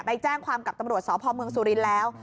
ไปแจ้งความกับตำรวจสพเมืองสุรินทร์แล้ว